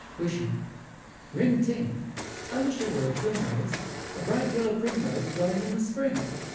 WISHING Ring ting! I wish I were a Primrose, A bright yellow Primrose blowing in the Spring!